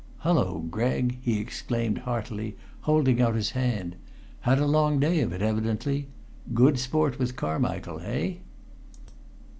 "Hulloa, Gregg!" he exclaimed heartily, holding out his hand. "Had a long day of it, evidently. Good sport with Carmichael eh?"